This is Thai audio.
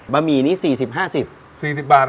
บะหมี่นี่๔๐๕๐บาท